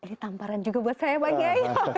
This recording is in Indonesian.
ini tamparan juga buat saya pak kiai